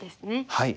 はい。